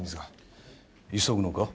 急ぐのか？